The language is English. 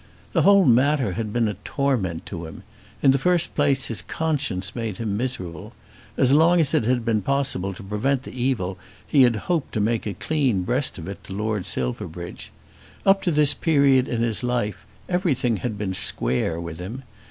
The whole matter had been a torment to him. In the first place his conscience made him miserable. As long as it had been possible to prevent the evil he had hoped to make a clean breast of it to Lord Silverbridge. Up to this period of his life everything had been "square" with him.